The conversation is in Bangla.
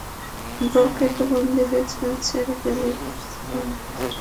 ব্র্যাকেটবন্দী হয়েছিলেন sir Gary Sobers, Mushtaq Mohammad, Ian Botham, Jack ক্যালিসদের সঙ্গে।